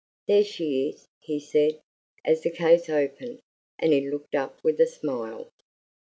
"There she is," he said, as the case opened; and he looked up with a smile.